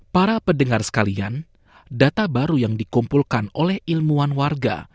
para pendengar sekalian data baru yang dikumpulkan oleh ilmuwan warga